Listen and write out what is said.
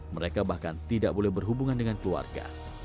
mereka bahkan tidak boleh berhubungan dengan keluarga